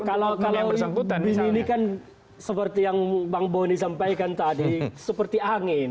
kalau bin ini kan seperti yang bang boni sampaikan tadi seperti angin